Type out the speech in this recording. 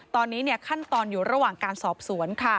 ตอนนี้ขั้นตอนอยู่ระหว่างการสอบสวน